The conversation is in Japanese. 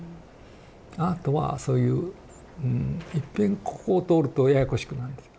アートはそういういっぺんここを通るとややこしくなるんです。